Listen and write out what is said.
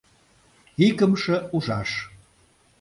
ИКЫМШЕ УЖАШ